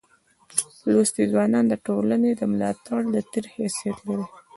لوستي ځوانان دټولني دملا دتیر حیثیت لري.